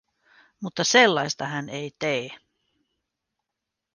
Mutta sellaista hän ei tee.